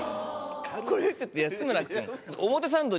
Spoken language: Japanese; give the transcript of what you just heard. これちょっと安村君。